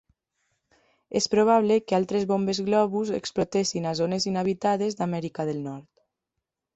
És probable que altres bombes globus explotessin a zones inhabitades d'Amèrica del Nord.